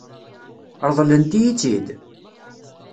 Ṛeḍlent-iyi-tt-id?